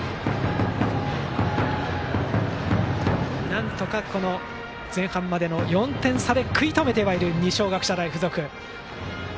なんとか前半までの４点差で食い止めている、二松学舎大付属。